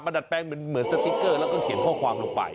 ดัดแปลงเหมือนสติ๊กเกอร์แล้วก็เขียนข้อความลงไป